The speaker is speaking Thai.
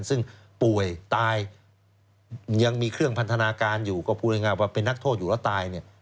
ซึ่งป่วยตายยังมีเครื่องพันธนาการอยู่ก็พูดง่ายว่าเป็นนักโทษอยู่แล้วตายเนี่ย